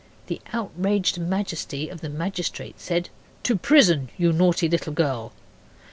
The outraged majesty of the magistrate said, 'To prison, you naughty little girl.